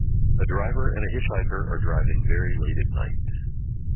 A driver and a hitchhiker are driving very late at night.